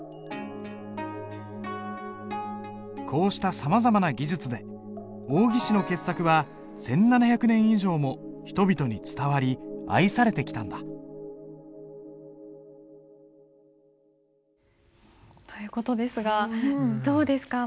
こうしたさまざまな技術で王羲之の傑作は１，７００年以上も人々に伝わり愛されてきたんだ。という事ですがどうですか？